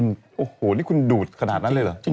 นี้คุณดูดขนาดนั่นเลยเหรอ